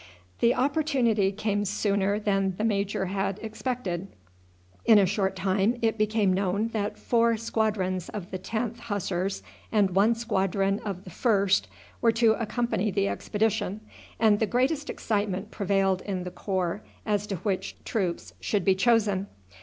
The opportunity came sooner than the major had expected. In a short time it became known that four squadrons of the 10th Hussars and one squadron of the 1st were to accompany the expedition, and the greatest excitement prevailed in the corps as to which troops should be chosen.